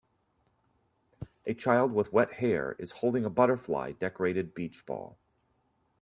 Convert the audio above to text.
A child with wet hair is holding a butterfly decorated beach ball.